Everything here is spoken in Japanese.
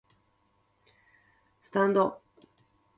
スタンド